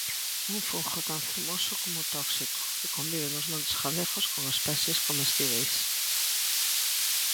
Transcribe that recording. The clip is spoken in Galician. Un fungo tan fermoso como tóxico que convive nos montes galegos con especies comestíbeis.